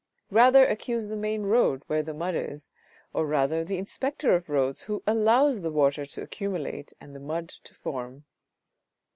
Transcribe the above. Rather accuse the main road where the mud is, or rather the inspector of roads who allows the water to accumulate and the mud to form.